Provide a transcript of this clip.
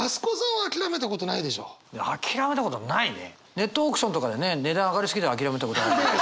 ネットオークションとかでね値段上がりすぎて諦めたことはあるけど。